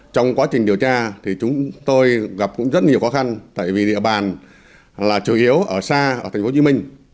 trong quá trình điều tra thì chúng tôi gặp cũng rất nhiều khó khăn tại vì địa bàn là chủ yếu ở xa ở tp hcm